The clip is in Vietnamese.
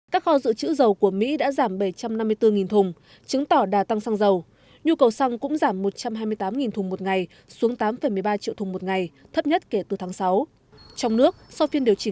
các kho dự trữ dầu của mỹ đã giảm dưới ngưỡng quan trọng một tám trăm linh usd một ounce